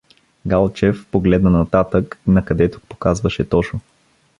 Галчев погледна нататък, накъдето показваше Тошо.